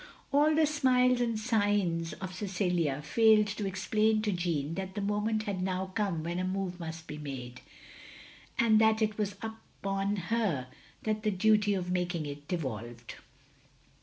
All the smiles and signs of Cecilia failed to explain to Jeanne that the moment had now come when a move must be made, and that it was upon her that the duty of making it devolved.